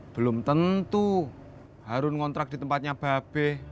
belum tentu harun ngontrak di tempatnya babe